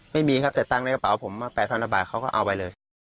ไม่มีครับแต่ตังค์ในกระเป๋าผม๘๐๐กว่าบาทเขาก็เอาไปเลย